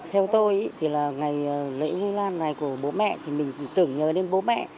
theo tôi thì là ngày lễ huy lan này của bố mẹ thì mình tưởng nhớ đến bố mẹ